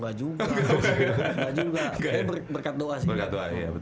gak juga berkat doa sih